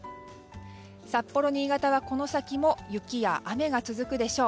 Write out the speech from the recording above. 札幌、新潟はこの先も雪や雨が続くでしょう。